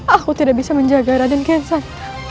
aku tidak bisa menjaga raden kenceng